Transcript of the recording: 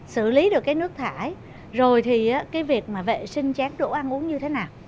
xử lý được nước thải rồi thì việc vệ sinh chén đổ ăn uống như thế nào